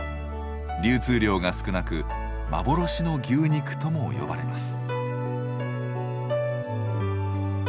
流通量が少なく幻の牛肉とも呼ばれます。